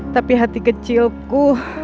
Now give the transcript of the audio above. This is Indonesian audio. tapi hati kecilku